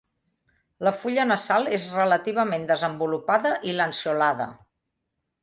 La fulla nasal és relativament desenvolupada i lanceolada.